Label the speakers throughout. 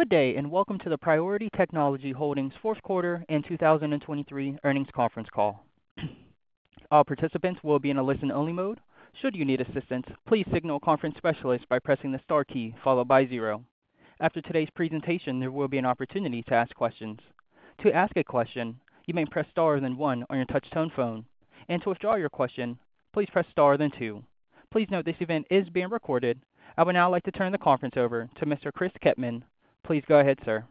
Speaker 1: Good day and welcome to the Priority Technology Holdings fourth quarter and 2023 earnings conference call. All participants will be in a listen-only mode. Should you need assistance, please signal a conference specialist by pressing the star key followed by zero. After today's presentation, there will be an opportunity to ask questions. To ask a question, you may press star then one on your touchtone phone, and to withdraw your question, please press star then two. Please note this event is being recorded. I would now like to turn the conference over to Mr. Chris Kettmann. Please go ahead, sir.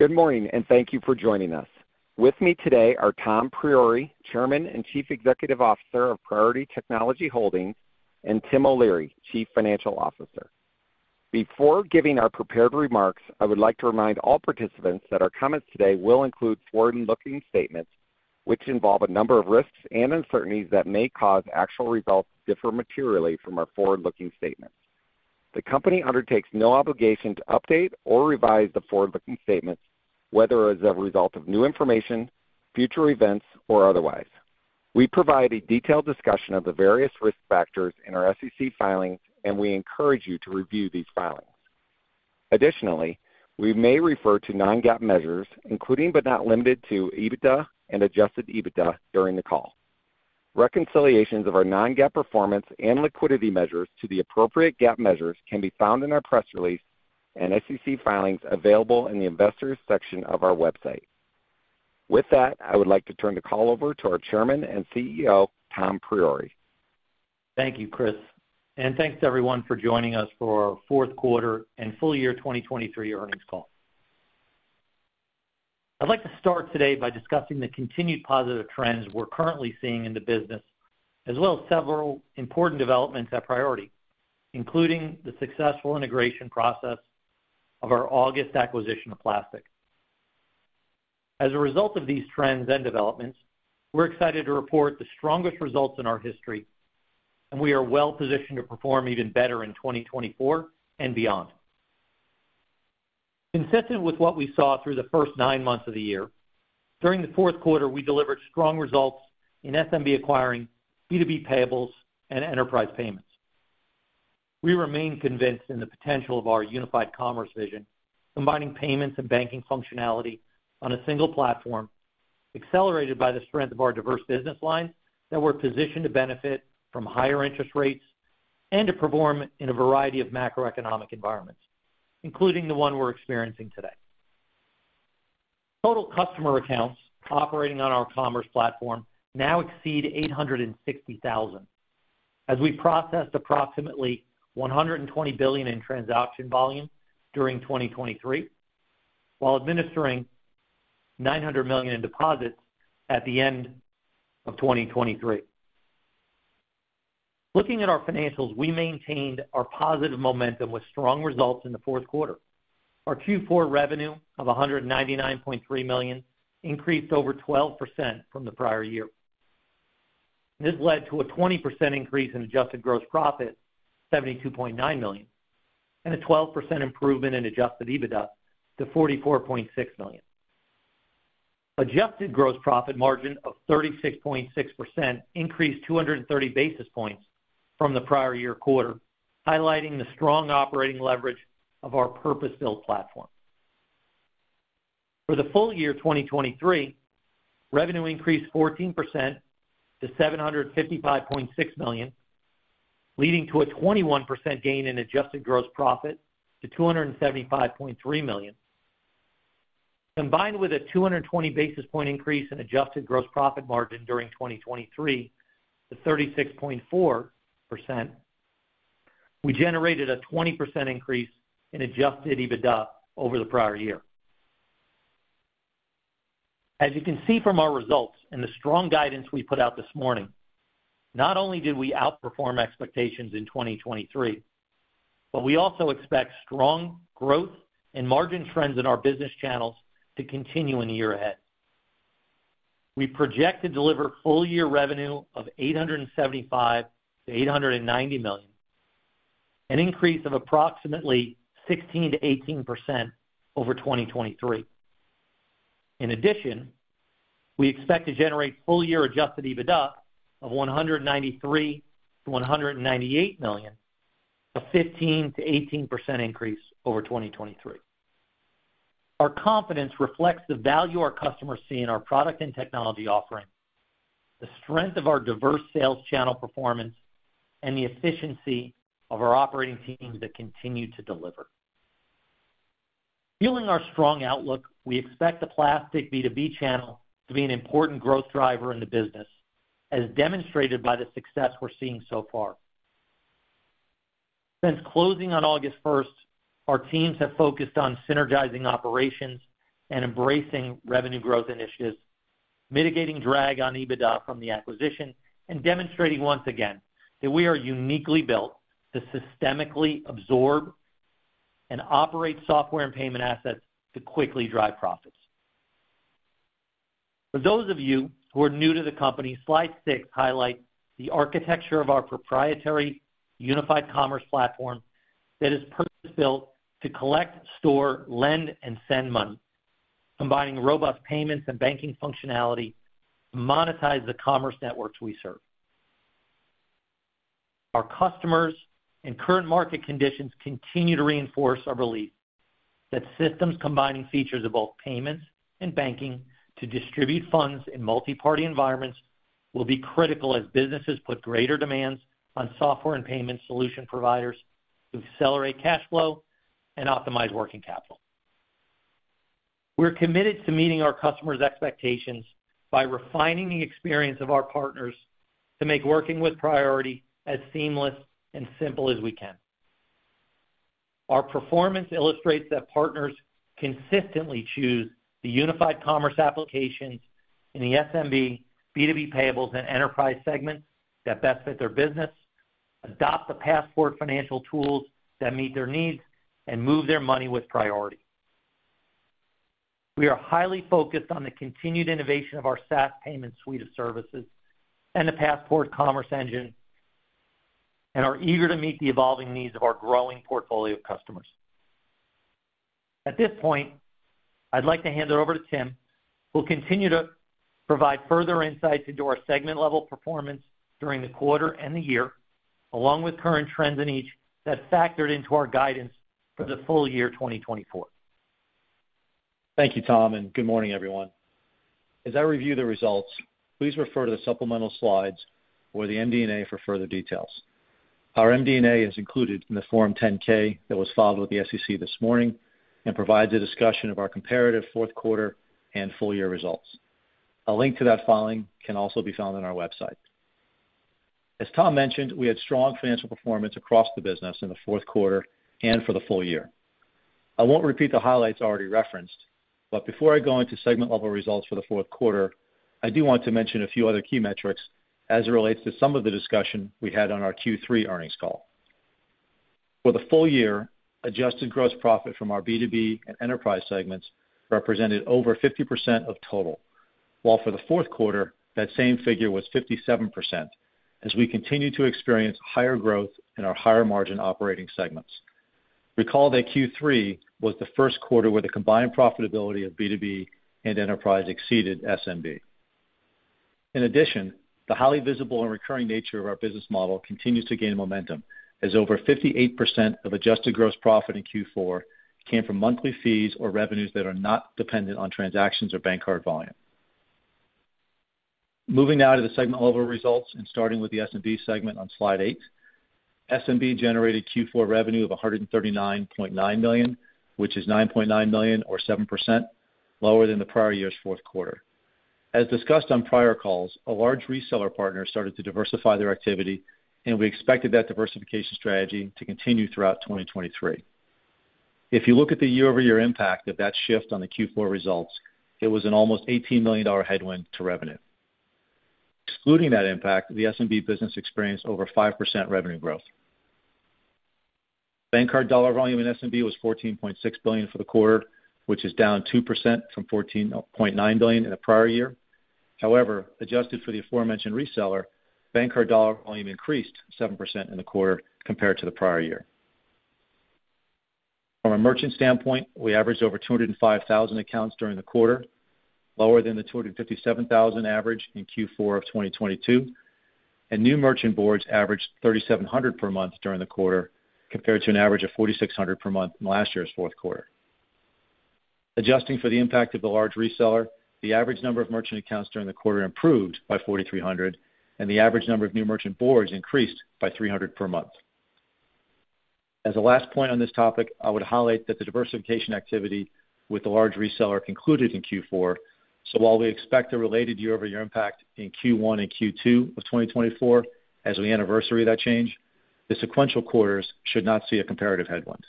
Speaker 2: Good morning and thank you for joining us. With me today are Tom Priore, Chairman and Chief Executive Officer of Priority Technology Holdings, and Tim O'Leary, Chief Financial Officer. Before giving our prepared remarks, I would like to remind all participants that our comments today will include forward-looking statements which involve a number of risks and uncertainties that may cause actual results to differ materially from our forward-looking statements. The company undertakes no obligation to update or revise the forward-looking statements, whether as a result of new information, future events, or otherwise. We provide a detailed discussion of the various risk factors in our SEC filings, and we encourage you to review these filings. Additionally, we may refer to non-GAAP measures, including but not limited to EBITDA and adjusted EBITDA during the call. Reconciliations of our non-GAAP performance and liquidity measures to the appropriate GAAP measures can be found in our press release and SEC filings available in the Investors section of our website. With that, I would like to turn the call over to our Chairman and CEO, Tom Priore.
Speaker 3: Thank you, Chris. Thanks to everyone for joining us for our fourth quarter and full-year 2023 earnings call. I'd like to start today by discussing the continued positive trends we're currently seeing in the business, as well as several important developments at Priority, including the successful integration process of our August acquisition of Plastiq. As a result of these trends and developments, we're excited to report the strongest results in our history, and we are well positioned to perform even better in 2024 and beyond. Consistent with what we saw through the first nine months of the year, during the fourth quarter, we delivered strong results in SMB acquiring, B2B payables, and enterprise payments. We remain convinced in the potential of our unified commerce vision, combining payments and banking functionality on a single platform, accelerated by the strength of our diverse business lines that we're positioned to benefit from higher interest rates and to perform in a variety of macroeconomic environments, including the one we're experiencing today. Total customer accounts operating on our commerce platform now exceed 860,000, as we processed approximately $120 billion in transaction volume during 2023, while administering $900 million in deposits at the end of 2023. Looking at our financials, we maintained our positive momentum with strong results in the fourth quarter. Our Q4 revenue of $199.3 million increased over 12% from the prior year. This led to a 20% increase in adjusted gross profit, $72.9 million, and a 12% improvement in adjusted EBITDA to $44.6 million. Adjusted gross profit margin of 36.6% increased 230 basis points from the prior-year quarter, highlighting the strong operating leverage of our purpose-built platform. For the full-year 2023, revenue increased 14% to $755.6 million, leading to a 21% gain in adjusted gross profit to $275.3 million. Combined with a 220-basis point increase in adjusted gross profit margin during 2023 to 36.4%, we generated a 20% increase in adjusted EBITDA over the prior year. As you can see from our results and the strong guidance we put out this morning, not only did we outperform expectations in 2023, but we also expect strong growth and margin trends in our business channels to continue in the year ahead. We project to deliver full-year revenue of $875 million-$890 million, an increase of approximately 16%-18% over 2023. In addition, we expect to generate full-year adjusted EBITDA of $193 million-$198 million, a 15%-18% increase over 2023. Our confidence reflects the value our customers see in our product and technology offering, the strength of our diverse sales channel performance, and the efficiency of our operating teams that continue to deliver. Fueling our strong outlook, we expect the Plastiq B2B channel to be an important growth driver in the business, as demonstrated by the success we're seeing so far. Since closing on August 1st, our teams have focused on synergizing operations and embracing revenue growth initiatives, mitigating drag on EBITDA from the acquisition, and demonstrating once again that we are uniquely built to systemically absorb and operate software and payment assets to quickly drive profits. For those of you who are new to the company, slide six highlights the architecture of our proprietary unified commerce platform that is purpose-built to collect, store, lend, and send money, combining robust payments and banking functionality to monetize the commerce networks we serve. Our customers and current market conditions continue to reinforce our belief that systems combining features of both payments and banking to distribute funds in multi-party environments will be critical as businesses put greater demands on software and payment solution providers to accelerate cash flow and optimize working capital. We're committed to meeting our customers' expectations by refining the experience of our partners to make working with Priority as seamless and simple as we can. Our performance illustrates that partners consistently choose the unified commerce applications in the SMB, B2B Payables, and Enterprise segments that best fit their business, adopt the Passport Financial tools that meet their needs, and move their money with Priority. We are highly focused on the continued innovation of our SaaS payment suite of services and the Passport Commerce Engine and are eager to meet the evolving needs of our growing portfolio of customers. At this point, I'd like to hand it over to Tim, who will continue to provide further insights into our segment-level performance during the quarter and the year, along with current trends in each that factored into our guidance for the full-year 2024.
Speaker 4: Thank you, Tom, and good morning, everyone. As I review the results, please refer to the supplemental slides or the MD&A for further details. Our MD&A is included in the Form 10-K that was filed with the SEC this morning and provides a discussion of our comparative fourth quarter and full-year results. A link to that filing can also be found on our website. As Tom mentioned, we had strong financial performance across the business in the fourth quarter and for the full year. I won't repeat the highlights already referenced, but before I go into segment-level results for the fourth quarter, I do want to mention a few other key metrics as it relates to some of the discussion we had on our Q3 earnings call. For the full year, adjusted gross profit from our B2B and Enterprise segments represented over 50% of total, while for the fourth quarter, that same figure was 57% as we continue to experience higher growth in our higher margin operating segments. Recall that Q3 was the first quarter where the combined profitability of B2B and Enterprise exceeded SMB. In addition, the highly visible and recurring nature of our business model continues to gain momentum as over 58% of adjusted gross profit in Q4 came from monthly fees or revenues that are not dependent on transactions or bank card volume. Moving now to the segment-level results and starting with the SMB segment on slide eight. SMB generated Q4 revenue of $139.9 million, which is $9.9 million or 7% lower than the prior year's fourth quarter. As discussed on prior calls, a large reseller partner started to diversify their activity, and we expected that diversification strategy to continue throughout 2023. If you look at the year-over-year impact of that shift on the Q4 results, it was an almost $18 million headwind to revenue. Excluding that impact, the SMB business experienced over 5% revenue growth. Bank card dollar volume in SMB was $14.6 billion for the quarter, which is down 2% from $14.9 billion in the prior year. However, adjusted for the aforementioned reseller, bank card dollar volume increased 7% in the quarter compared to the prior year. From a merchant standpoint, we averaged over 205,000 accounts during the quarter, lower than the 257,000 average in Q4 of 2022, and new merchant boards averaged 3,700 per month during the quarter compared to an average of 4,600 per month in last year's fourth quarter. Adjusting for the impact of the large reseller, the average number of merchant accounts during the quarter improved by 4,300, and the average number of new merchant boards increased by 300 per month. As a last point on this topic, I would highlight that the diversification activity with the large reseller concluded in Q4, so while we expect a related year-over-year impact in Q1 and Q2 of 2024 as we anniversary that change, the sequential quarters should not see a comparative headwind.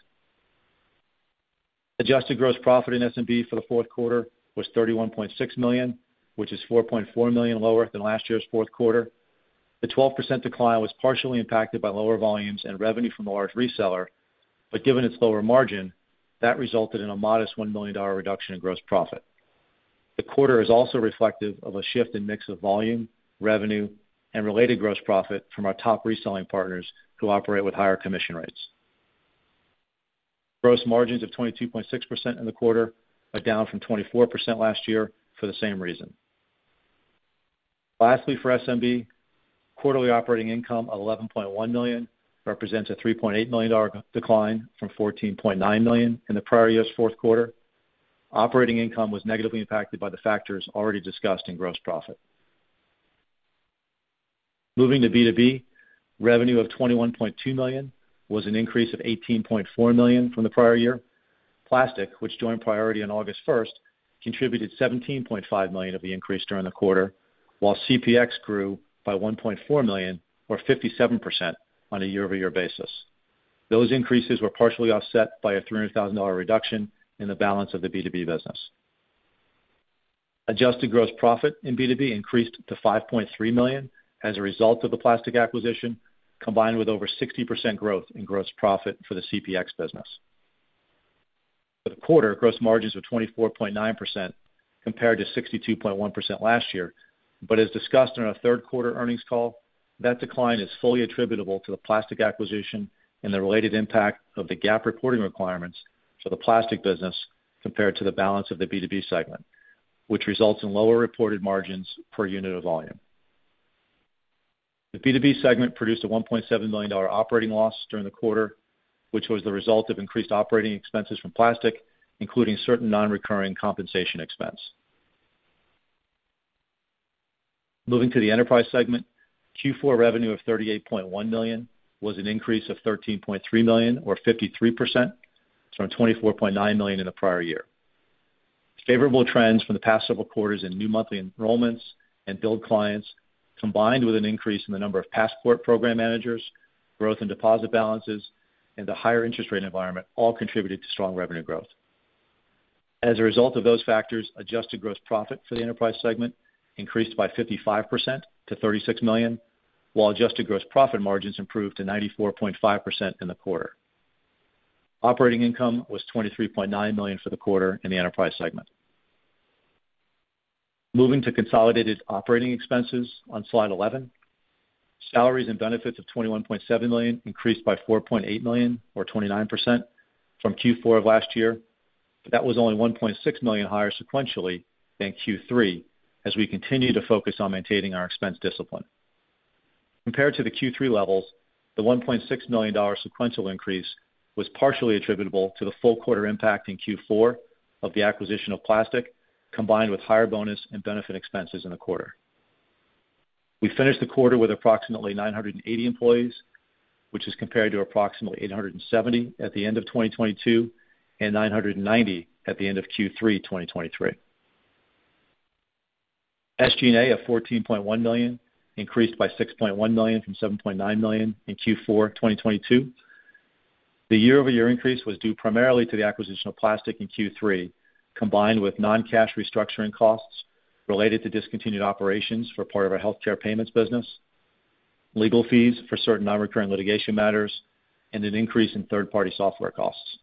Speaker 4: Adjusted gross profit in SMB for the fourth quarter was $31.6 million, which is $4.4 million lower than last year's fourth quarter. The 12% decline was partially impacted by lower volumes and revenue from the large reseller, but given its lower margin, that resulted in a modest $1 million reduction in gross profit. The quarter is also reflective of a shift in mix of volume, revenue, and related gross profit from our top reselling partners who operate with higher commission rates. Gross margins of 22.6% in the quarter are down from 24% last year for the same reason. Lastly, for SMB, quarterly operating income of $11.1 million represents a $3.8 million decline from $14.9 million in the prior year's fourth quarter. Operating income was negatively impacted by the factors already discussed in gross profit. Moving to B2B. Revenue of $21.2 million was an increase of $18.4 million from the prior year. Plastiq, which joined Priority on August 1st, contributed $17.5 million of the increase during the quarter, while CPX grew by $1.4 million or 57% on a year-over-year basis. Those increases were partially offset by a $300,000 reduction in the balance of the B2B business. Adjusted gross profit in B2B increased to $5.3 million as a result of the Plastiq acquisition, combined with over 60% growth in gross profit for the CPX business. For the quarter, gross margins were 24.9% compared to 62.1% last year, but as discussed on our third quarter earnings call, that decline is fully attributable to the Plastiq acquisition and the related impact of the gap reporting requirements for the Plastiq business compared to the balance of the B2B segment, which results in lower reported margins per unit of volume. The B2B segment produced a $1.7 million operating loss during the quarter, which was the result of increased operating expenses from Plastiq, including certain non-recurring compensation expense. Moving to the Enterprise segment. Q4 revenue of $38.1 million was an increase of $13.3 million or 53% from $24.9 million in the prior year. Favorable trends from the past several quarters in new monthly enrollments and build clients, combined with an increase in the number of Passport program managers, growth in deposit balances, and the higher interest rate environment, all contributed to strong revenue growth. As a result of those factors, adjusted gross profit for the Enterprise segment increased by 55% to $36 million, while adjusted gross profit margins improved to 94.5% in the quarter. Operating income was $23.9 million for the quarter in the Enterprise segment. Moving to consolidated operating expenses on slide 11. Salaries and benefits of $21.7 million increased by $4.8 million or 29% from Q4 of last year, but that was only $1.6 million higher sequentially than Q3 as we continue to focus on maintaining our expense discipline. Compared to the Q3 levels, the $1.6 million sequential increase was partially attributable to the full quarter impact in Q4 of the acquisition of Plastiq, combined with higher bonus and benefit expenses in the quarter. We finished the quarter with approximately 980 employees, which is compared to approximately 870 at the end of 2022 and 990 at the end of Q3 2023. SG&A of $14.1 million increased by $6.1 million from $7.9 million in Q4 2022. The year-over-year increase was due primarily to the acquisition of Plastiq in Q3, combined with non-cash restructuring costs related to discontinued operations for part of our healthcare payments business, legal fees for certain non-recurring litigation matters, and an increase in third-party software costs.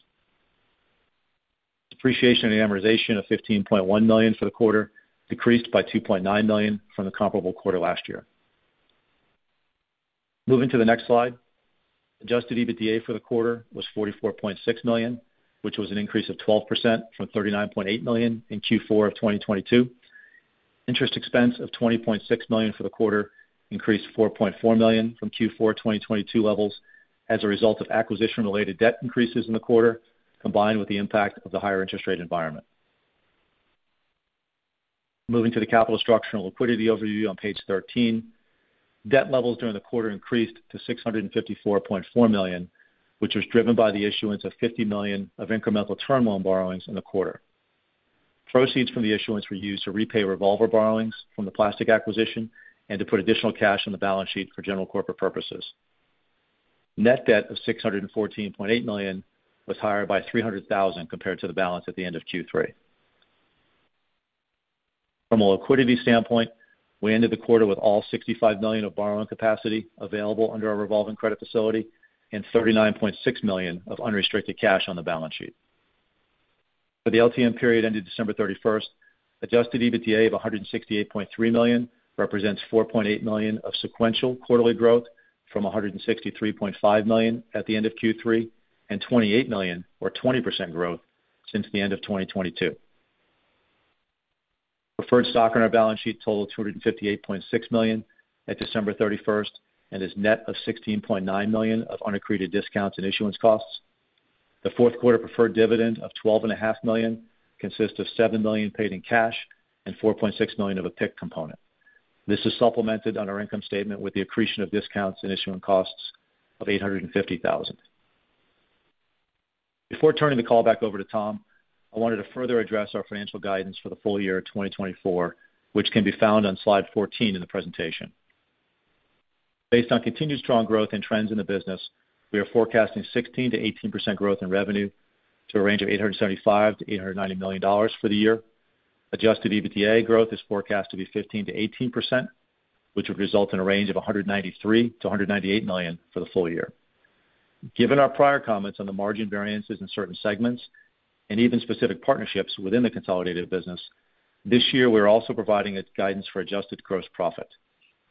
Speaker 4: Depreciation and amortization of $15.1 million for the quarter decreased by $2.9 million from the comparable quarter last year. Moving to the next slide. Adjusted EBITDA for the quarter was $44.6 million, which was an increase of 12% from $39.8 million in Q4 of 2022. Interest expense of $20.6 million for the quarter increased $4.4 million from Q4 2022 levels as a result of acquisition-related debt increases in the quarter, combined with the impact of the higher interest rate environment. Moving to the capital structure and liquidity overview on page 13. Debt levels during the quarter increased to $654.4 million, which was driven by the issuance of $50 million of incremental term loan borrowings in the quarter. Proceeds from the issuance were used to repay revolver borrowings from the Plastiq acquisition and to put additional cash on the balance sheet for general corporate purposes. Net debt of $614.8 million was higher by $300,000 compared to the balance at the end of Q3. From a liquidity standpoint, we ended the quarter with all $65 million of borrowing capacity available under our revolving credit facility and $39.6 million of unrestricted cash on the balance sheet. For the LTM period ending December 31st, adjusted EBITDA of $168.3 million represents $4.8 million of sequential quarterly growth from $163.5 million at the end of Q3 and $28 million or 20% growth since the end of 2022. Preferred stock on our balance sheet totaled $258.6 million at December 31st and is net of $16.9 million of unaccreted discounts and issuance costs. The fourth quarter preferred dividend of $12.5 million consists of $7 million paid in cash and $4.6 million of a PIK component. This is supplemented on our income statement with the accretion of discounts and issuance costs of $850,000. Before turning the call back over to Tom, I wanted to further address our financial guidance for the full year of 2024, which can be found on slide 14 in the presentation. Based on continued strong growth and trends in the business, we are forecasting 16%-18% growth in revenue to a range of $875 million-$890 million for the year. Adjusted EBITDA growth is forecast to be 15%-18%, which would result in a range of $193 million-$198 million for the full year. Given our prior comments on the margin variances in certain segments and even specific partnerships within the consolidated business, this year we are also providing guidance for adjusted gross profit,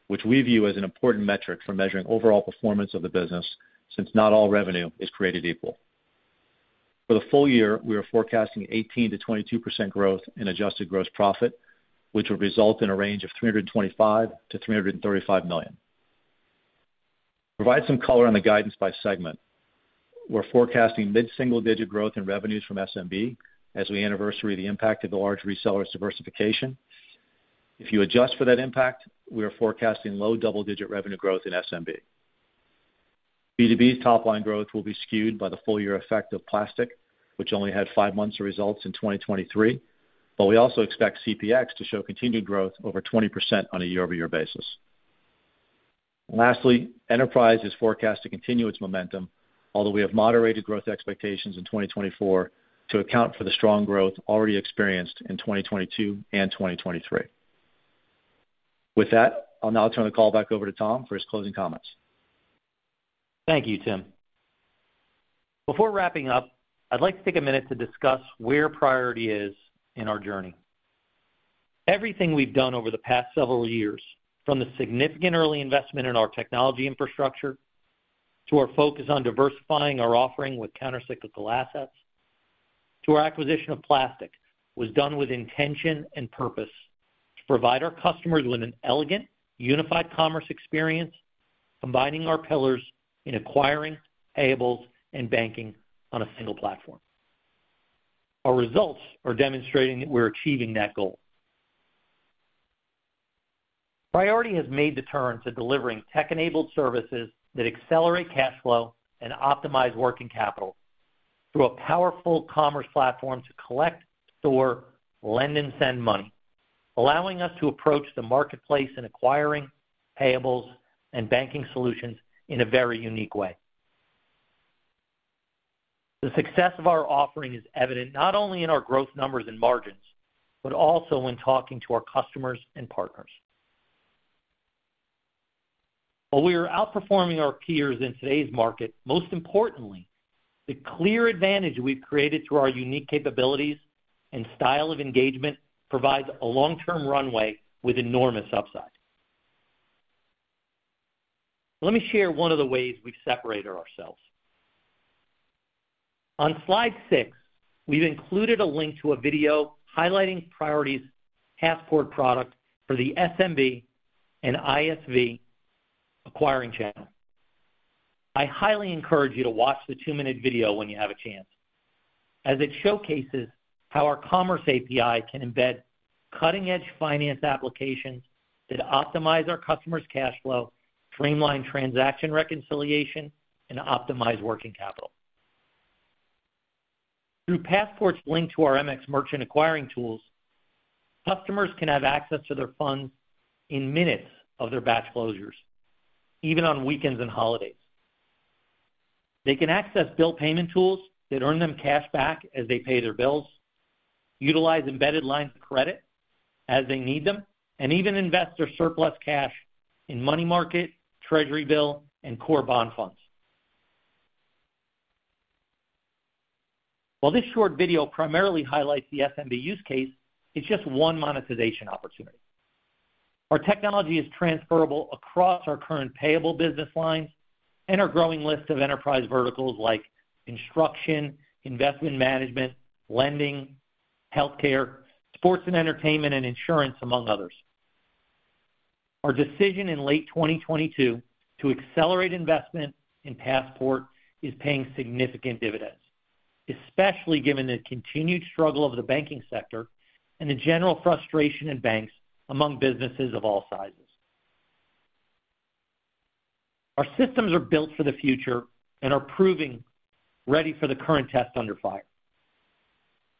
Speaker 4: which we view as an important metric for measuring overall performance of the business since not all revenue is created equal. For the full year, we are forecasting 18%-22% growth in adjusted gross profit, which would result in a range of $325 million-$335 million. To provide some color on the guidance by segment, we're forecasting mid-single digit growth in revenues from SMB as we anniversary the impact of the large reseller's diversification. If you adjust for that impact, we are forecasting low double-digit revenue growth in SMB. B2B's top-line growth will be skewed by the full-year effect of Plastiq, which only had five months of results in 2023, but we also expect CPX to show continued growth over 20% on a year-over-year basis. Lastly, Enterprise is forecast to continue its momentum, although we have moderated growth expectations in 2024 to account for the strong growth already experienced in 2022 and 2023. With that, I'll now turn the call back over to Tom for his closing comments.
Speaker 3: Thank you, Tim. Before wrapping up, I'd like to take a minute to discuss where Priority is in our journey. Everything we've done over the past several years, from the significant early investment in our technology infrastructure to our focus on diversifying our offering with countercyclical assets to our acquisition of Plastiq, was done with intention and purpose to provide our customers with an elegant, unified commerce experience, combining our pillars in acquiring, payables, and banking on a single platform. Our results are demonstrating that we're achieving that goal. Priority has made the turn to delivering tech-enabled services that accelerate cash flow and optimize working capital through a powerful commerce platform to collect, store, lend, and send money, allowing us to approach the marketplace in acquiring, payables, and banking solutions in a very unique way. The success of our offering is evident not only in our growth numbers and margins but also when talking to our customers and partners. While we are outperforming our peers in today's market, most importantly, the clear advantage we've created through our unique capabilities and style of engagement provides a long-term runway with enormous upside. Let me share one of the ways we've separated ourselves. On slide six, we've included a link to a video highlighting Priority's Passport product for the SMB and ISV acquiring channel. I highly encourage you to watch the two-minute video when you have a chance, as it showcases how our commerce API can embed cutting-edge finance applications that optimize our customers' cash flow, streamline transaction reconciliation, and optimize working capital. Through Passport linked to our MX Merchant acquiring tools, customers can have access to their funds in minutes of their batch closures, even on weekends and holidays. They can access bill payment tools that earn them cash back as they pay their bills, utilize embedded lines of credit as they need them, and even invest their surplus cash in money market, Treasury bill, and core bond funds. While this short video primarily highlights the SMB use case, it's just one monetization opportunity. Our technology is transferable across our current payable business lines and our growing list of enterprise verticals like construction, investment management, lending, healthcare, sports and entertainment, and insurance, among others. Our decision in late 2022 to accelerate investment in Passport is paying significant dividends, especially given the continued struggle of the banking sector and the general frustration in banks among businesses of all sizes. Our systems are built for the future and are proving ready for the current test under fire.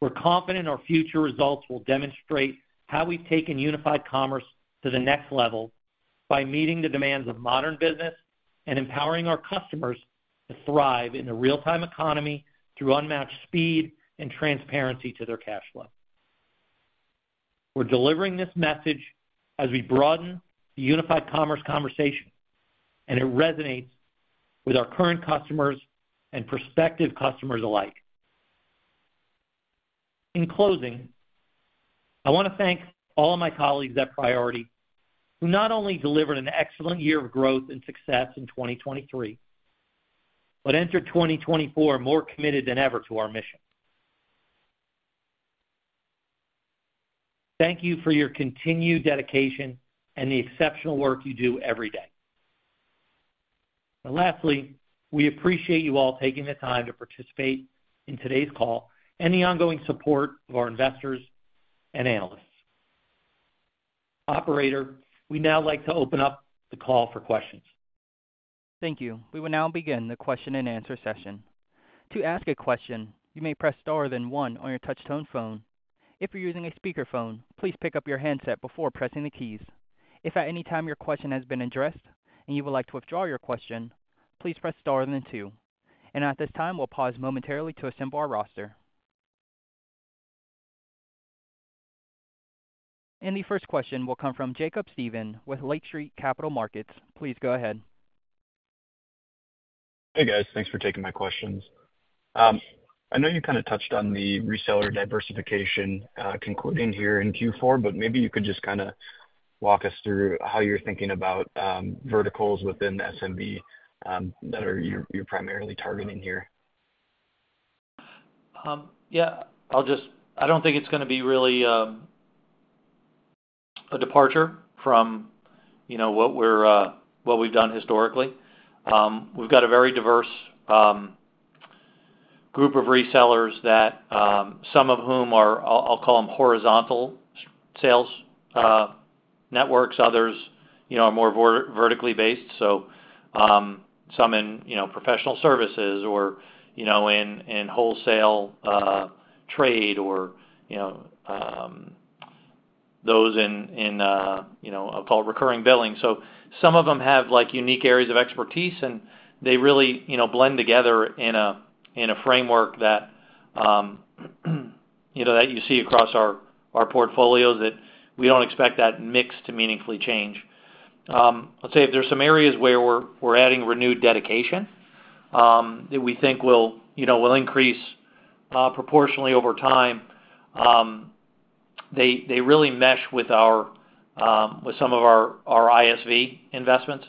Speaker 3: We're confident our future results will demonstrate how we've taken unified commerce to the next level by meeting the demands of modern business and empowering our customers to thrive in the real-time economy through unmatched speed and transparency to their cash flow. We're delivering this message as we broaden the unified commerce conversation, and it resonates with our current customers and prospective customers alike. In closing, I want to thank all of my colleagues at Priority who not only delivered an excellent year of growth and success in 2023 but entered 2024 more committed than ever to our mission. Thank you for your continued dedication and the exceptional work you do every day. And lastly, we appreciate you all taking the time to participate in today's call and the ongoing support of our investors and analysts. Operator, we now like to open up the call for questions.
Speaker 1: Thank you. We will now begin the question-and-answer session. To ask a question, you may press star than one on your touchtone phone. If you're using a speakerphone, please pick up your handset before pressing the keys. If at any time your question has been addressed and you would like to withdraw your question, please press star than two. And at this time, we'll pause momentarily to assemble our roster. And the first question will come from Jacob Stephan with Lake Street Capital Markets. Please go ahead.
Speaker 5: Hey, guys. Thanks for taking my questions. I know you kind of touched on the reseller diversification concluding here in Q4, but maybe you could just kind of walk us through how you're thinking about verticals within SMB that you're primarily targeting here.
Speaker 3: Yeah. I don't think it's going to be really a departure from what we've done historically. We've got a very diverse group of resellers, some of whom are, I'll call them, horizontal sales networks. Others are more vertically based, so some in professional services or in wholesale trade or those in, I'll call it, recurring billing. So some of them have unique areas of expertise, and they really blend together in a framework that you see across our portfolios that we don't expect that mix to meaningfully change. I'd say if there's some areas where we're adding renewed dedication that we think will increase proportionally over time, they really mesh with some of our ISV investments.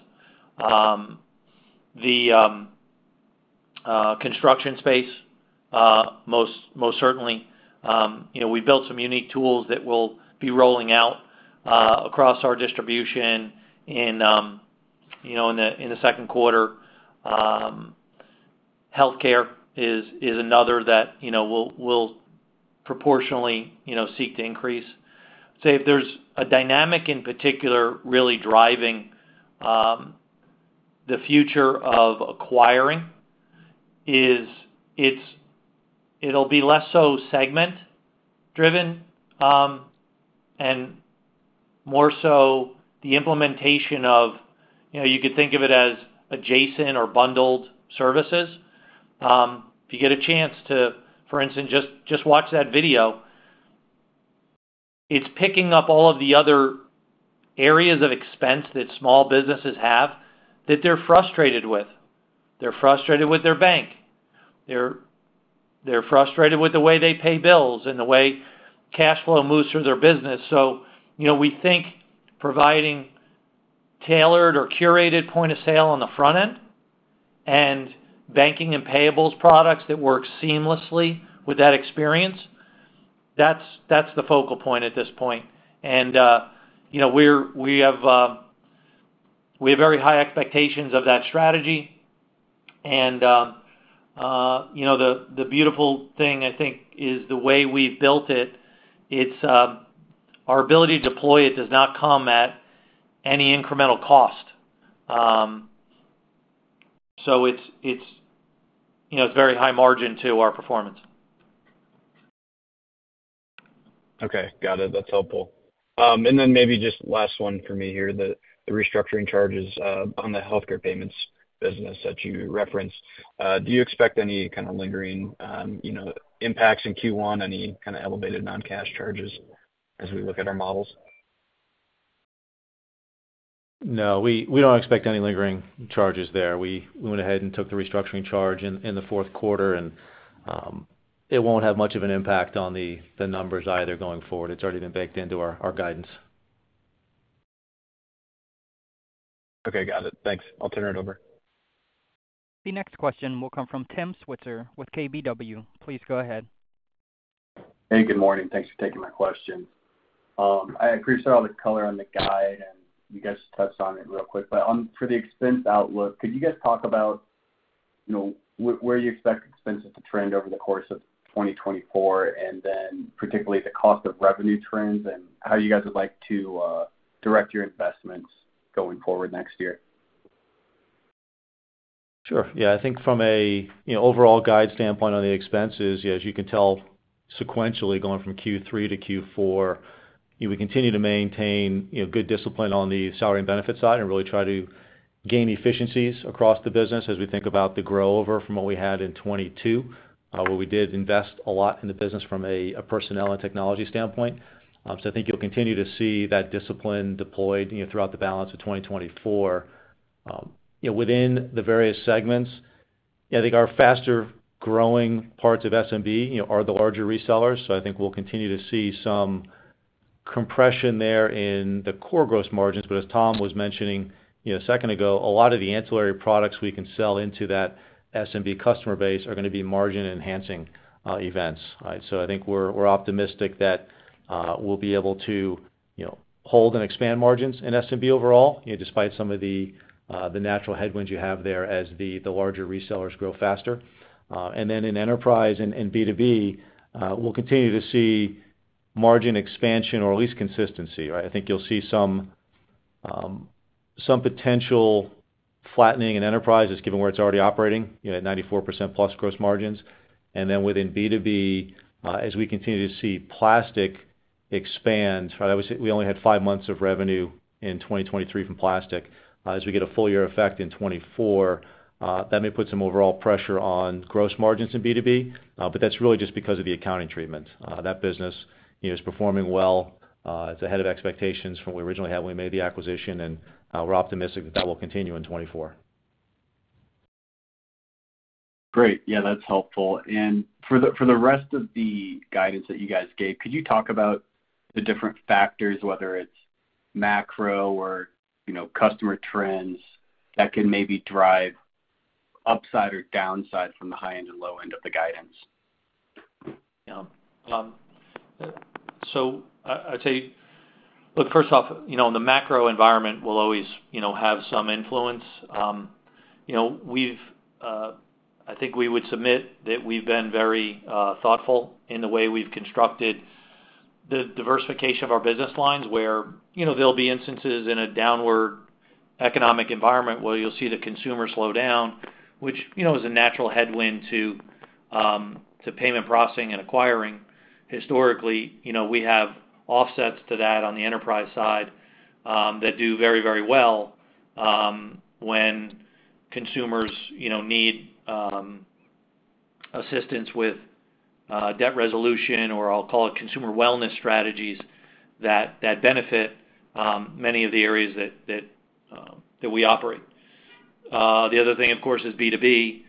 Speaker 3: The construction space, most certainly. We built some unique tools that will be rolling out across our distribution in the second quarter. Healthcare is another that we'll proportionally seek to increase. I'd say if there's a dynamic in particular really driving the future of acquiring, it'll be less so segment-driven and more so the implementation of you could think of it as adjacent or bundled services. If you get a chance to, for instance, just watch that video, it's picking up all of the other areas of expense that small businesses have that they're frustrated with. They're frustrated with their bank. They're frustrated with the way they pay bills and the way cash flow moves through their business. So we think providing tailored or curated point of sale on the front end and banking and payables products that work seamlessly with that experience, that's the focal point at this point. And we have very high expectations of that strategy. And the beautiful thing, I think, is the way we've built it. Our ability to deploy it does not come at any incremental cost. So it's very high margin to our performance.
Speaker 5: Okay. Got it. That's helpful. And then maybe just last one for me here, the restructuring charges on the healthcare payments business that you referenced. Do you expect any kind of lingering impacts in Q1, any kind of elevated non-cash charges as we look at our models?
Speaker 4: No. We don't expect any lingering charges there. We went ahead and took the restructuring charge in the fourth quarter, and it won't have much of an impact on the numbers either going forward. It's already been baked into our guidance.
Speaker 5: Okay. Got it. Thanks. I'll turn it over.
Speaker 1: The next question will come from Tim Switzer with KBW. Please go ahead.
Speaker 6: Hey. Good morning. Thanks for taking my question. I appreciate all the color on the guide, and you guys just touched on it real quick. But for the expense outlook, could you guys talk about where you expect expenses to trend over the course of 2024 and then particularly the cost of revenue trends and how you guys would like to direct your investments going forward next year?
Speaker 4: Sure. Yeah. I think from an overall guide standpoint on the expenses, as you can tell sequentially going from Q3 to Q4, we continue to maintain good discipline on the salary and benefits side and really try to gain efficiencies across the business as we think about the grow over from what we had in 2022, where we did invest a lot in the business from a personnel and technology standpoint. So I think you'll continue to see that discipline deployed throughout the balance of 2024 within the various segments. I think our faster-growing parts of SMB are the larger resellers, so I think we'll continue to see some compression there in the core gross margins. But as Tom was mentioning a second ago, a lot of the ancillary products we can sell into that SMB customer base are going to be margin-enhancing events. So I think we're optimistic that we'll be able to hold and expand margins in SMB overall despite some of the natural headwinds you have there as the larger resellers grow faster. And then in Enterprise and B2B, we'll continue to see margin expansion or at least consistency. I think you'll see some potential flattening in enterprises given where it's already operating at 94%+ gross margins. And then within B2B, as we continue to see Plastiq expand we only had five months of revenue in 2023 from Plastiq. As we get a full-year effect in 2024, that may put some overall pressure on gross margins in B2B, but that's really just because of the accounting treatment. That business is performing well. It's ahead of expectations from what we originally had when we made the acquisition, and we're optimistic that that will continue in 2024.
Speaker 6: Great. Yeah. That's helpful. For the rest of the guidance that you guys gave, could you talk about the different factors, whether it's macro or customer trends, that can maybe drive upside or downside from the high-end and low-end of the guidance?
Speaker 3: Yeah. So I'd say, look, first off, the macro environment will always have some influence. I think we would submit that we've been very thoughtful in the way we've constructed the diversification of our business lines where there'll be instances in a downward economic environment where you'll see the consumer slowdown, which is a natural headwind to payment processing and acquiring. Historically, we have offsets to that on the enterprise side that do very, very well when consumers need assistance with debt resolution or I'll call it consumer wellness strategies that benefit many of the areas that we operate. The other thing, of course, is B2B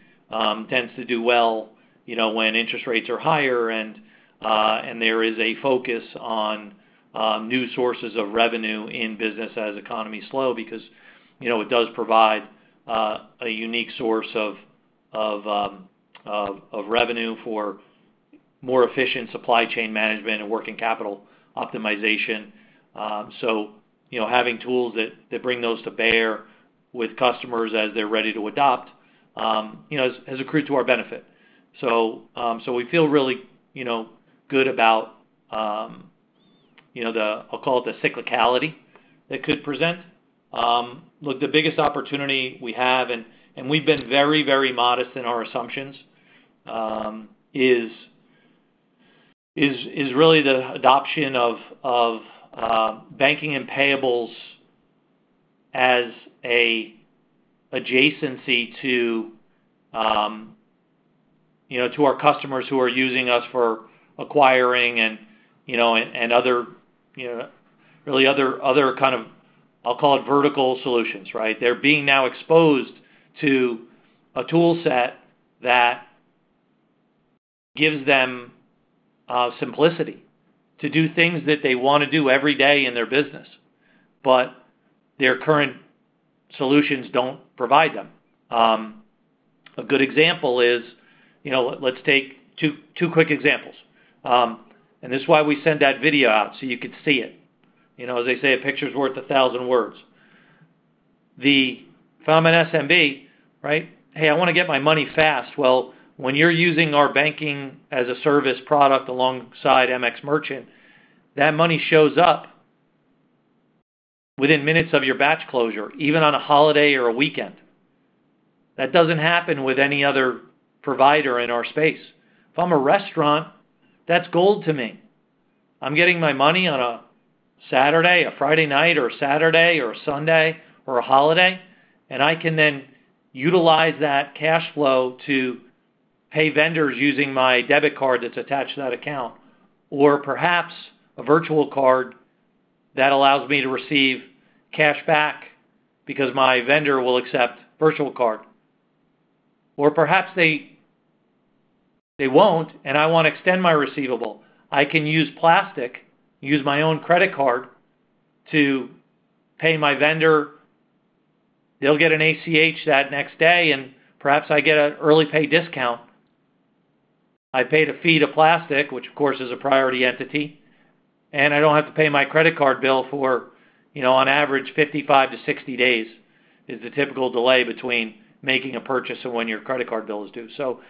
Speaker 3: tends to do well when interest rates are higher and there is a focus on new sources of revenue in business as economies slow because it does provide a unique source of revenue for more efficient supply chain management and working capital optimization. So having tools that bring those to bear with customers as they're ready to adopt has accrued to our benefit. So we feel really good about the, I'll call it, the cyclicality that could present. Look, the biggest opportunity we have, and we've been very, very modest in our assumptions, is really the adoption of banking and payables as an adjacency to our customers who are using us for acquiring and really other kind of, I'll call it, vertical solutions. They're being now exposed to a toolset that gives them simplicity to do things that they want to do every day in their business, but their current solutions don't provide them. A good example is, let's take two quick examples. And this is why we send that video out so you could see it. As they say, a picture's worth a thousand words. If I'm in SMB, "Hey, I want to get my money fast." Well, when you're using our banking as a service product alongside MX Merchant, that money shows up within minutes of your batch closure, even on a holiday or a weekend. That doesn't happen with any other provider in our space. If I'm a restaurant, that's gold to me. I'm getting my money on a Saturday, a Friday night, or a Saturday or a Sunday or a holiday, and I can then utilize that cash flow to pay vendors using my debit card that's attached to that account or perhaps a virtual card that allows me to receive cash back because my vendor will accept virtual card. Or perhaps they won't, and I want to extend my receivable. I can use Plastiq, use my own credit card to pay my vendor. They'll get an ACH that next day, and perhaps I get an early pay discount. I paid a fee to Plastiq, which, of course, is a Priority entity, and I don't have to pay my credit card bill for, on average, 55-60 days is the typical delay between making a purchase and when your credit card bill is due. So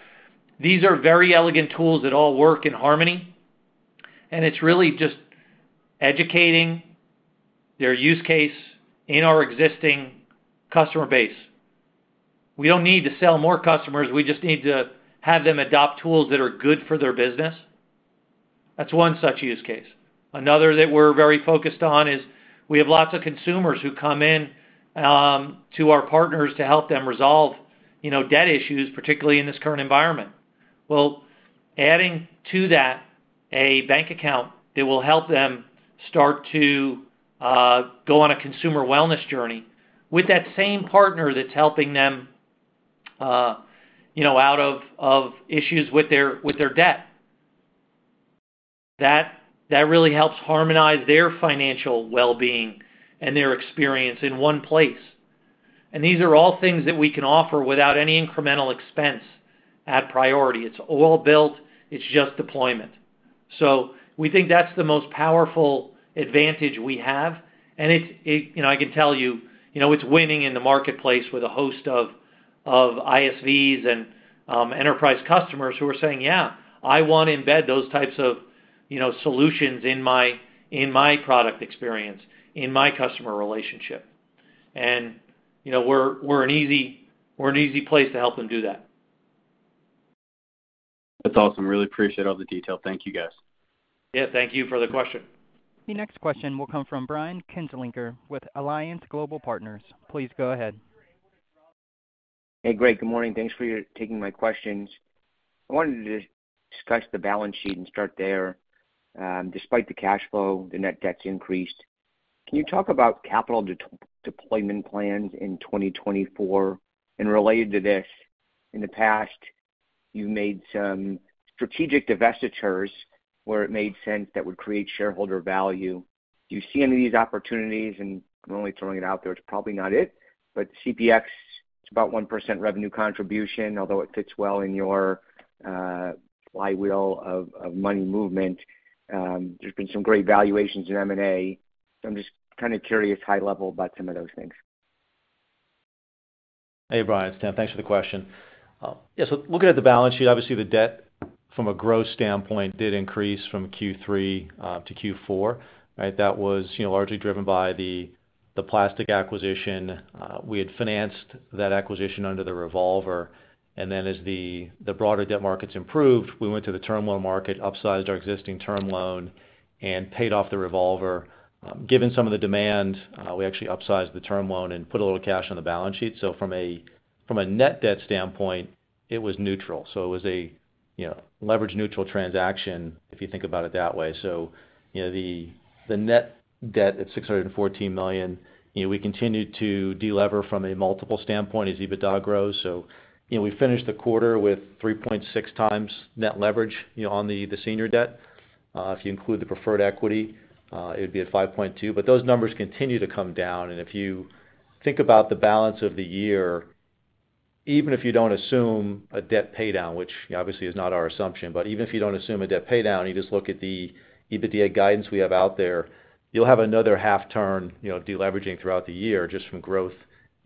Speaker 3: these are very elegant tools that all work in harmony, and it's really just educating their use case in our existing customer base. We don't need to sell more customers. We just need to have them adopt tools that are good for their business. That's one such use case. Another that we're very focused on is we have lots of consumers who come in to our partners to help them resolve debt issues, particularly in this current environment. Well, adding to that a bank account that will help them start to go on a consumer wellness journey with that same partner that's helping them out of issues with their debt, that really helps harmonize their financial well-being and their experience in one place. These are all things that we can offer without any incremental expense at Priority. It's all built. It's just deployment. We think that's the most powerful advantage we have. I can tell you it's winning in the marketplace with a host of ISVs and enterprise customers who are saying, "Yeah. I want to embed those types of solutions in my product experience, in my customer relationship." We're an easy place to help them do that.
Speaker 6: That's awesome. Really appreciate all the detail. Thank you, guys.
Speaker 3: Yeah. Thank you for the question.
Speaker 1: The next question will come from Brian Kinstlinger with Alliance Global Partners. Please go ahead.
Speaker 7: Hey. Great. Good morning. Thanks for taking my questions. I wanted to discuss the balance sheet and start there. Despite the cash flow, the net debt's increased. Can you talk about capital deployment plans in 2024 and related to this? In the past, you've made some strategic divestitures where it made sense that would create shareholder value. Do you see any of these opportunities? And I'm only throwing it out there. It's probably not it, but CPX, it's about 1% revenue contribution, although it fits well in your flywheel of money movement. There's been some great valuations in M&A. So I'm just kind of curious high-level about some of those things.
Speaker 4: Hey, Brian. Tim, thanks for the question. Yeah. So looking at the balance sheet, obviously, the debt from a gross standpoint did increase from Q3 to Q4. That was largely driven by the Plastiq acquisition. We had financed that acquisition under the revolver. And then as the broader debt markets improved, we went to the term loan market, upsized our existing term loan, and paid off the revolver. Given some of the demand, we actually upsized the term loan and put a little cash on the balance sheet. So from a net debt standpoint, it was neutral. So it was a leverage-neutral transaction if you think about it that way. So the net debt of $614 million, we continue to delever from a multiple standpoint as EBITDA grows. So we finished the quarter with 3.6x net leverage on the senior debt. If you include the preferred equity, it would be at 5.2x. But those numbers continue to come down. And if you think about the balance of the year, even if you don't assume a debt paydown, which obviously is not our assumption, but even if you don't assume a debt paydown, you just look at the EBITDA guidance we have out there, you'll have another half-turn deleveraging throughout the year just from growth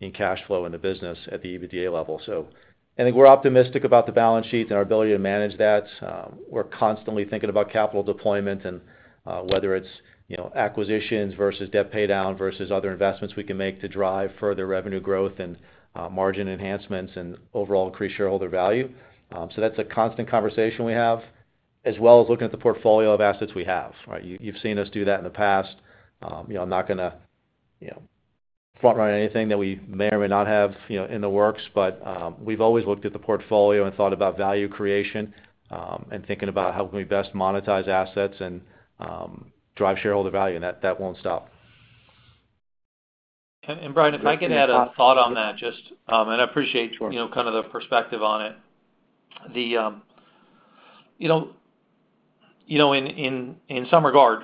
Speaker 4: in cash flow in the business at the EBITDA level. So I think we're optimistic about the balance sheet and our ability to manage that. We're constantly thinking about capital deployment and whether it's acquisitions versus debt paydown versus other investments we can make to drive further revenue growth and margin enhancements and overall increased shareholder value. So that's a constant conversation we have as well as looking at the portfolio of assets we have. You've seen us do that in the past. I'm not going to front-run anything that we may or may not have in the works, but we've always looked at the portfolio and thought about value creation and thinking about how can we best monetize assets and drive shareholder value. And that won't stop.
Speaker 3: And Brian, if I can add a thought on that just and I appreciate kind of the perspective on it. In some regard,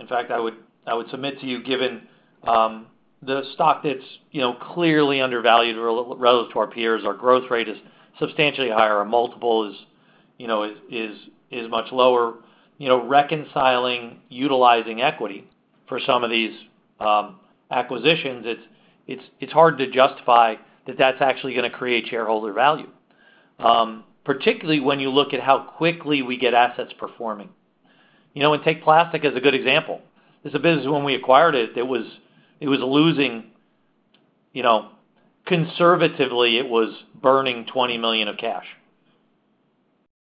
Speaker 3: in fact, I would submit to you, given the stock that's clearly undervalued relative to our peers, our growth rate is substantially higher. Our multiple is much lower. Reconciling, utilizing equity for some of these acquisitions, it's hard to justify that that's actually going to create shareholder value, particularly when you look at how quickly we get assets performing. And take Plastiq as a good example. This is a business when we acquired it, it was losing conservatively, it was burning $20 million of cash.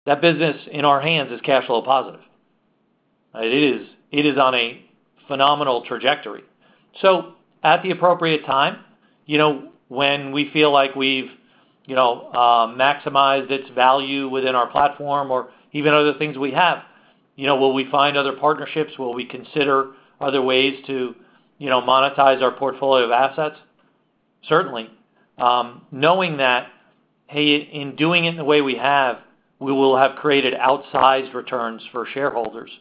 Speaker 3: That business in our hands is cash flow positive. It is on a phenomenal trajectory. So at the appropriate time, when we feel like we've maximized its value within our platform or even other things we have, will we find other partnerships? Will we consider other ways to monetize our portfolio of assets? Certainly. Knowing that, "Hey, in doing it in the way we have, we will have created outsized returns for shareholders,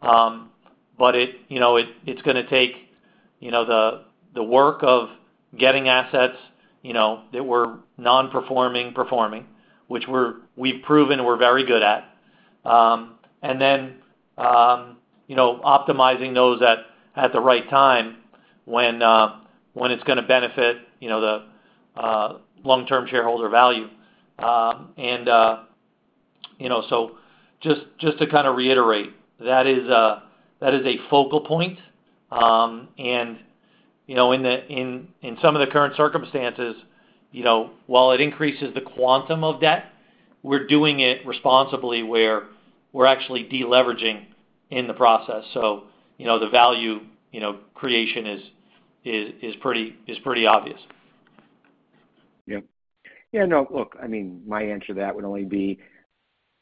Speaker 3: but it's going to take the work of getting assets that were non-performing performing, which we've proven we're very good at," and then optimizing those at the right time when it's going to benefit the long-term shareholder value. And so just to kind of reiterate, that is a focal point. And in some of the current circumstances, while it increases the quantum of debt, we're doing it responsibly where we're actually deleveraging in the process. So the value creation is pretty obvious.
Speaker 7: Yeah. Yeah. No. Look, I mean, my answer to that would only be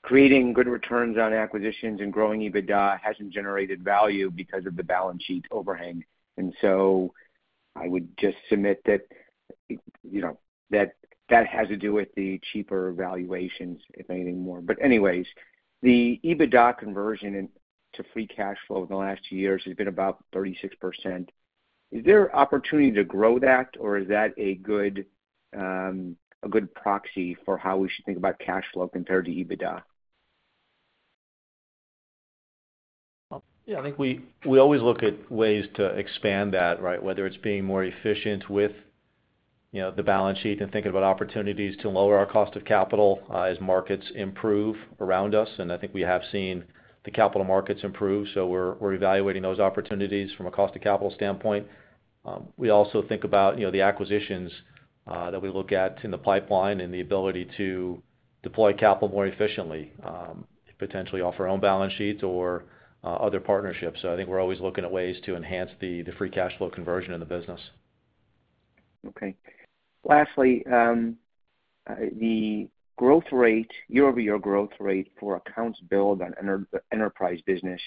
Speaker 7: creating good returns on acquisitions and growing EBITDA hasn't generated value because of the balance sheet overhang. And so I would just submit that that has to do with the cheaper valuations, if anything more. Anyways, the EBITDA conversion to free cash flow in the last two years has been about 36%. Is there an opportunity to grow that, or is that a good proxy for how we should think about cash flow compared to EBITDA?
Speaker 4: Well, yeah. I think we always look at ways to expand that, whether it's being more efficient with the balance sheet and thinking about opportunities to lower our cost of capital as markets improve around us. And I think we have seen the capital markets improve, so we're evaluating those opportunities from a cost of capital standpoint. We also think about the acquisitions that we look at in the pipeline and the ability to deploy capital more efficiently, potentially off our own balance sheets or other partnerships. So I think we're always looking at ways to enhance the free cash flow conversion in the business.
Speaker 7: Okay. Lastly, the growth rate, year-over-year growth rate for accounts billed on Enterprise business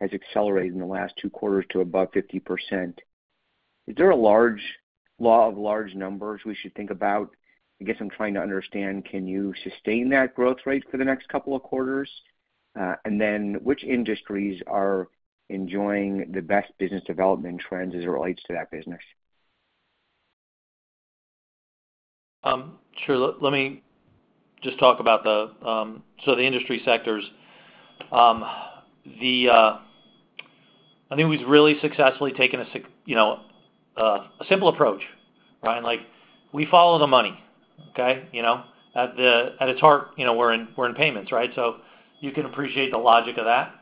Speaker 7: has accelerated in the last two quarters to above 50%. Is there a law of large numbers we should think about? I guess I'm trying to understand, can you sustain that growth rate for the next couple of quarters? And then which industries are enjoying the best business development trends as it relates to that business?
Speaker 3: Sure. Let me just talk about the so the industry sectors, I think we've really successfully taken a simple approach, right? We follow the money, okay? At its heart, we're in payments, right? So you can appreciate the logic of that.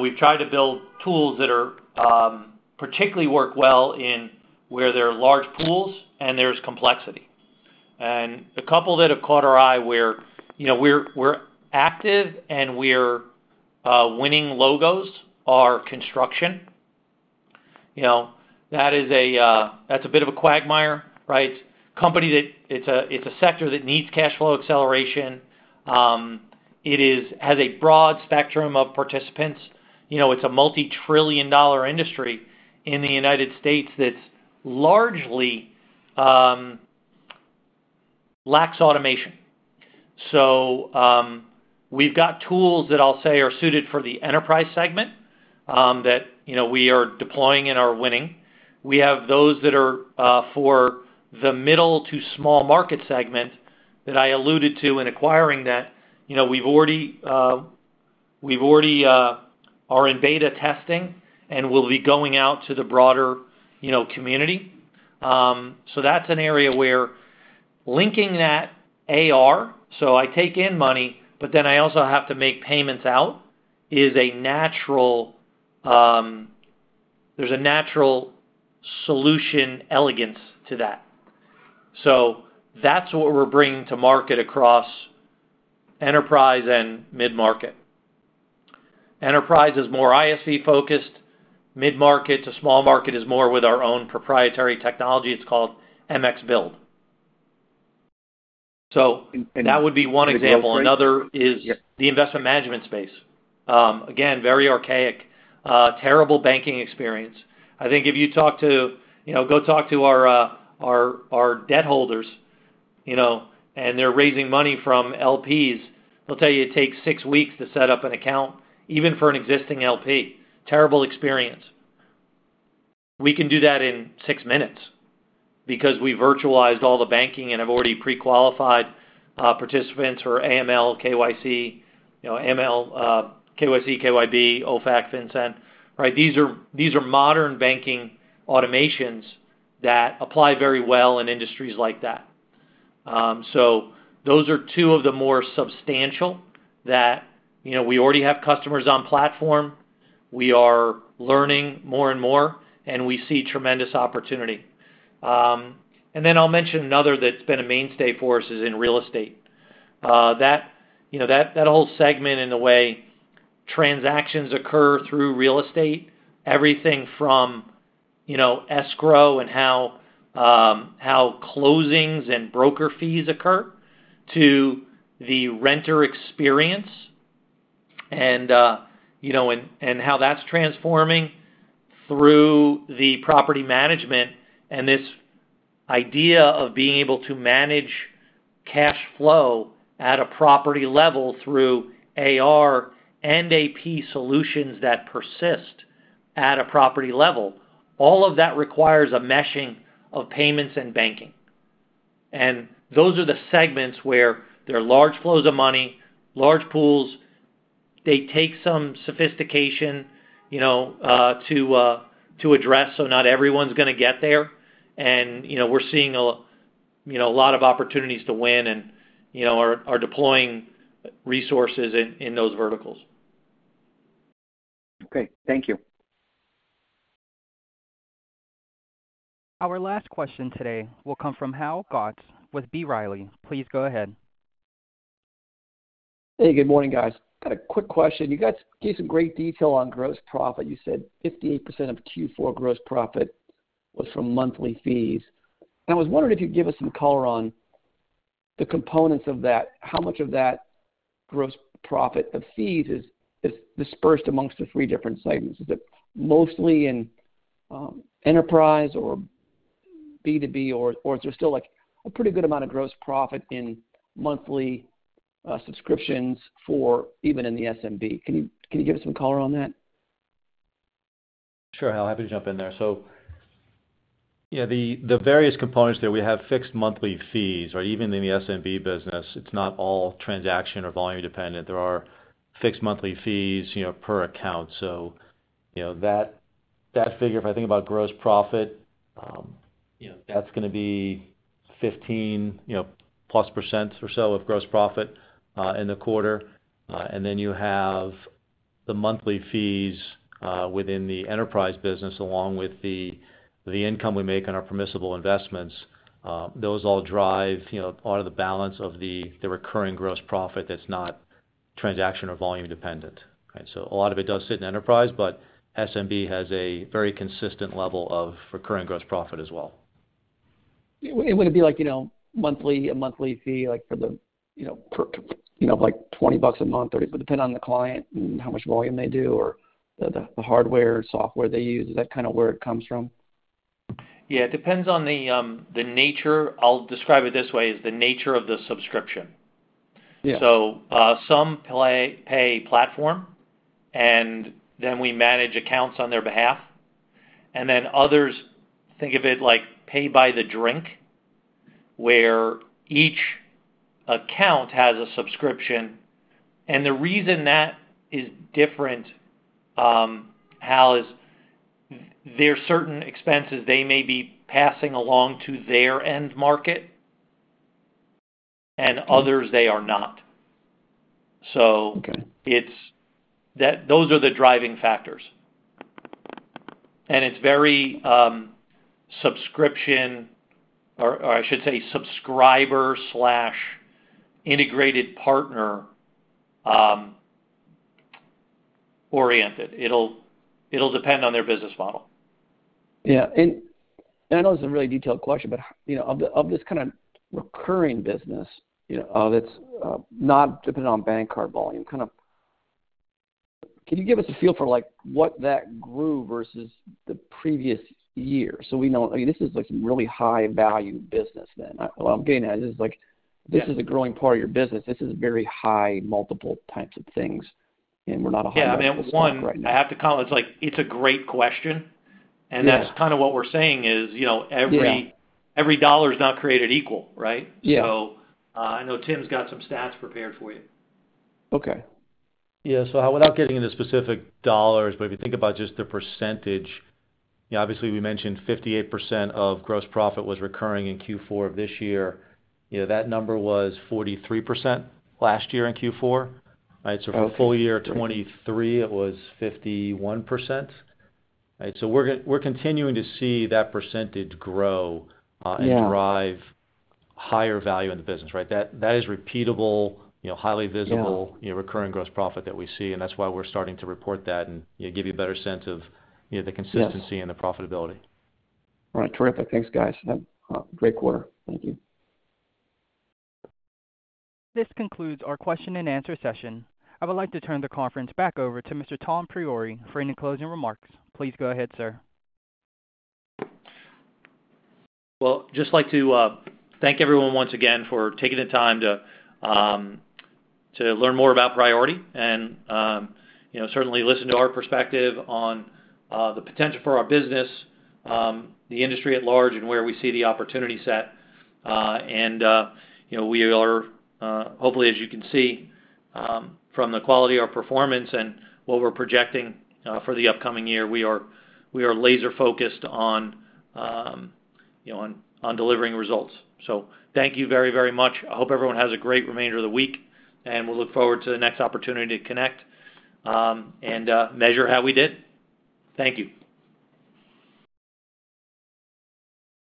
Speaker 3: We've tried to build tools that particularly work well in where there are large pools and there's complexity. And a couple that have caught our eye where we're active and we're winning logos are construction. That's a bit of a quagmire, right? It's a sector that needs cash flow acceleration. It has a broad spectrum of participants. It's a multi-trillion-dollar industry in the United States that largely lacks automation. So we've got tools that I'll say are suited for the Enterprise segment that we are deploying and are winning. We have those that are for the middle to small market segment that I alluded to in acquiring that. We're already in beta testing and will be going out to the broader community. So that's an area where linking that AR, so I take in money, but then I also have to make payments out, is a natural solution elegance to that. So that's what we're bringing to market across Enterprise and Mid-market. Enterprise is more ISV-focused. Mid-market to small market is more with our own proprietary technology. It's called MX Build. So that would be one example. Another is the investment management space. Again, very archaic, terrible banking experience. I think if you talk to our debt holders, and they're raising money from LPs, they'll tell you it takes six weeks to set up an account, even for an existing LP. Terrible experience. We can do that in six minutes because we virtualized all the banking and have already pre-qualified participants for AML, KYC, AML, KYC, KYB, OFAC, FinCEN, right? These are modern banking automations that apply very well in industries like that. So those are two of the more substantial that we already have customers on platform. We are learning more and more, and we see tremendous opportunity. And then I'll mention another that's been a mainstay for us is in real estate. That whole segment in the way transactions occur through real estate, everything from escrow and how closings and broker fees occur to the renter experience and how that's transforming through the property management and this idea of being able to manage cash flow at a property level through AR and AP solutions that persist at a property level, all of that requires a meshing of payments and banking. Those are the segments where there are large flows of money, large pools. They take some sophistication to address, so not everyone's going to get there. We're seeing a lot of opportunities to win and are deploying resources in those verticals.
Speaker 7: Okay. Thank you.
Speaker 1: Our last question today will come from Hal Goetsch with B. Riley. Please go ahead.
Speaker 8: Hey. Good morning, guys. Got a quick question. You gave some great detail on gross profit. You said 58% of Q4 gross profit was from monthly fees. And I was wondering if you'd give us some color on the components of that, how much of that gross profit of fees is dispersed amongst the three different segments? Is it mostly in Enterprise or B2B, or is there still a pretty good amount of gross profit in monthly subscriptions even in the SMB? Can you give us some color on that?
Speaker 4: Sure. I'm happy to jump in there. So yeah, the various components there, we have fixed monthly fees, right? Even in the SMB business, it's not all transaction or volume-dependent. There are fixed monthly fees per account. So that figure, if I think about gross profit, that's going to be 15%+ or so of gross profit in the quarter. And then you have the monthly fees within the Enterprise business along with the income we make on our permissible investments. Those all drive part of the balance of the recurring gross profit that's not transaction or volume-dependent, right? So a lot of it does sit in Enterprise, but SMB has a very consistent level of recurring gross profit as well.
Speaker 8: Would it be like a monthly fee for the like $20 a month, $30, but depend on the client and how much volume they do or the hardware, software they use? Is that kind of where it comes from?
Speaker 3: Yeah. It depends on the nature. I'll describe it this way, is the nature of the subscription. So some pay platform, and then we manage accounts on their behalf. And then others, think of it like pay-by-the-drink where each account has a subscription. And the reason that is different, Hal, is there are certain expenses they may be passing along to their end market, and others, they are not. So those are the driving factors. And it's very subscription or I should say subscriber/integrated partner-oriented. It'll depend on their business model.
Speaker 8: Yeah. And I know this is a really detailed question, but of this kind of recurring business that's not dependent on bank card volume, kind of can you give us a feel for what that grew versus the previous year? So we know, I mean, this is some really high-value business then. What I'm getting at is this is a growing part of your business. This is very high multiple types of things, and we're not a high-value business right now.
Speaker 3: Yeah. I mean, one, it's a great question. And that's kind of what we're saying is every dollar is not created equal, right? So I know Tim's got some stats prepared for you.
Speaker 8: Okay.
Speaker 4: Yeah. So without getting into specific dollars, but if you think about just the percentage, obviously, we mentioned 58% of gross profit was recurring in Q4 of this year. That number was 43% last year in Q4, right? So for a full-year 2023, it was 51%, right? So we're continuing to see that percentage grow and drive higher value in the business, right? That is repeatable, highly visible recurring gross profit that we see, and that's why we're starting to report that and give you a better sense of the consistency and the profitability.
Speaker 8: All right. Terrific. Thanks, guys. Have a great quarter. Thank you.
Speaker 1: This concludes our question-and-answer session. I would like to turn the conference back over to Mr. Tom Priore for any closing remarks. Please go ahead, sir.
Speaker 3: Well, just like to thank everyone once again for taking the time to learn more about Priority and certainly listen to our perspective on the potential for our business, the industry at large, and where we see the opportunity set. And we are, hopefully, as you can see from the quality of our performance and what we're projecting for the upcoming year, we are laser-focused on delivering results. So thank you very, very much. I hope everyone has a great remainder of the week, and we'll look forward to the next opportunity to connect and measure how we did. Thank you.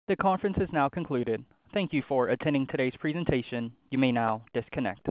Speaker 1: The conference is now concluded. Thank you for attending today's presentation. You may now disconnect.